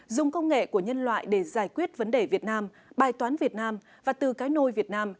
dùng công nghệ của nhân loại để giải quyết vấn đề việt nam bài toán việt nam và từ cái nôi việt nam